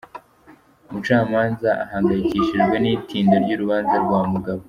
Umucamanza ahangayikishijwe n’itinda ry’urubanza rwa mugabo